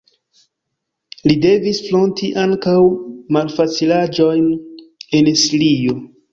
Li devis fronti ankaŭ malfacilaĵojn en Sirio.